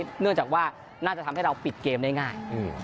เนื่องจากว่าน่าจะทำให้เราปิดเกมได้ง่าย